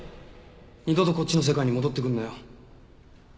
二度とこっちの世界に戻ってくんなよ。